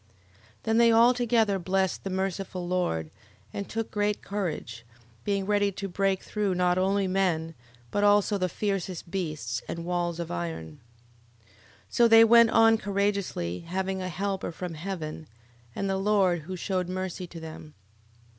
11:9. Then they all together blessed the merciful Lord, and took great courage: being ready to break through not only men, but also the fiercest beasts, and walls of iron. 11:10. So they went on courageously, having a helper from heaven, and the Lord, who shewed mercy to them.